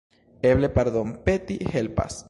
Eble pardonpeti helpas.